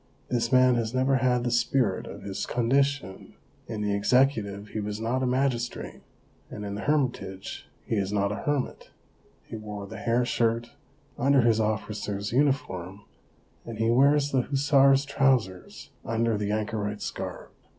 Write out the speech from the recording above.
This man has never had the spirit of his con dition ; in the executive he was not a magistrate, and in the hermitage he is not a hermit ; he wore the hair shirt under his officer's uniform, and he wears the hussar's trousers under the anchorite's garb.